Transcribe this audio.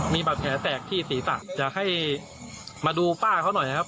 มีบาดแผลแตกที่ศีรษะอยากให้มาดูป้าเขาหน่อยครับ